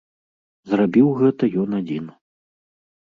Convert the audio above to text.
Зрабіў гэта ён адзін.